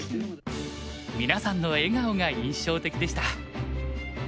みなさんの笑顔が印象的でした。